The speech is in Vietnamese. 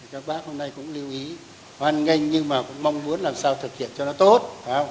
các bác hôm nay cũng lưu ý hoan nghênh nhưng mà cũng mong muốn làm sao thực hiện cho nó tốt